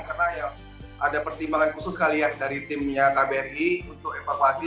karena ya ada pertimbangan khusus kali ya dari timnya kbri untuk evakuasi